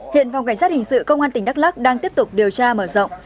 hiện phòng cảnh sát hình sự công an tỉnh đắk lắc đang tiếp tục điều tra mở rộng